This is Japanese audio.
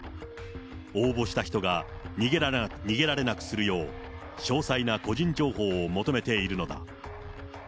応募した人が逃げられなくするよう、詳細な個人情報を求めているのだ。